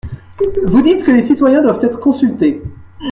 Vous dites que les citoyens doivent être consultés.